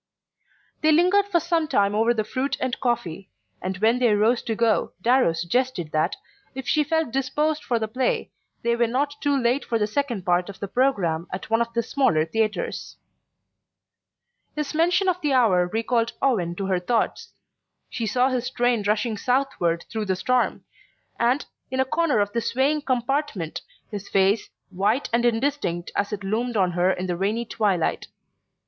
They lingered for some time over the fruit and coffee, and when they rose to go Darrow suggested that, if she felt disposed for the play, they were not too late for the second part of the programme at one of the smaller theatres. His mention of the hour recalled Owen to her thoughts. She saw his train rushing southward through the storm, and, in a corner of the swaying compartment, his face, white and indistinct as it had loomed on her in the rainy twilight.